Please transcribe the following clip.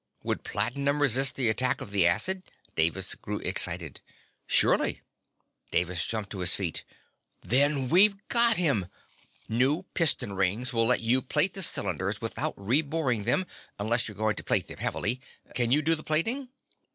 "Would platinum resist the attack of the acid?" Davis grew excited. "Surely." Davis jumped to his feet. "Then we've got him! New piston rings will let you plate the cylinders without reboring them unless you're going to plate them heavily. Can you do the plating?"